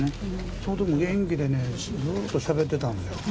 そのとき、元気でね、ずっとしゃべってたんですよ。